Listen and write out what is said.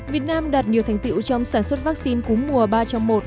việt nam đạt nhiều thành tiệu trong sản xuất vaccine cúm mùa ba trong một